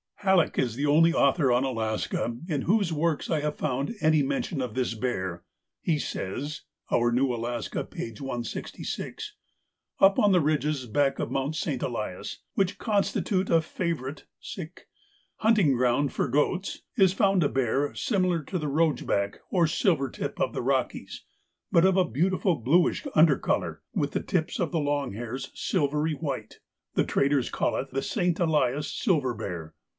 Halleck is the only author on Alaska in whose works I have found any mention of this bear. He says ('Our New Alaska,' p. 166): 'Up on the ridges back of Mount St. Elias, which constitute a favourite hunting ground for goats, is found a bear similar to the roach back or silver tip of the Rockies, but of a beautiful bluish undercolour, with the tips of the long hairs silvery white. The traders call it the St. Elias silver bear.